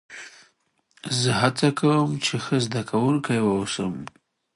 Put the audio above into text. زه هڅه کوم، چي ښه زدهکوونکی واوسم.